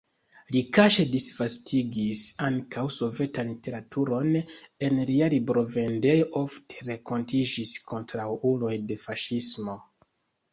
Li kaŝe disvastigis ankaŭ sovetan literaturon, en lia librovendejo ofte renkontiĝis kontraŭuloj de faŝismo.